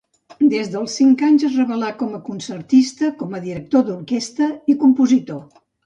Des dels cinc anys es revelà com a concertista, com a director d'orquestra i compositor.